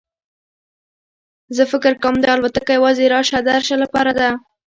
زه فکر کوم دا الوتکه یوازې راشه درشه لپاره ده.